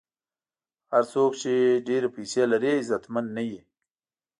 هر څوک چې ډېرې پیسې لري، عزتمن نه وي.